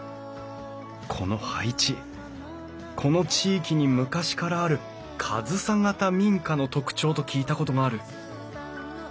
この配置この地域に昔からある上総型民家の特徴と聞いたことがある。